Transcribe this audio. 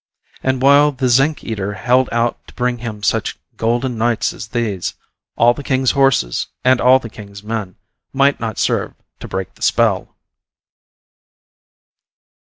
And while the zinc eater held out to bring him such golden nights as these, all the king's horses and all the king's men might not serve to break the spell.